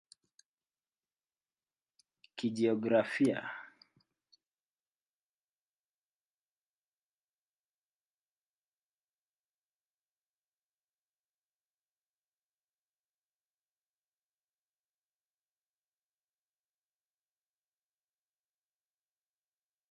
Kijiografia Baltiki ni mabaki ya Enzi ya Barafu iliyopita.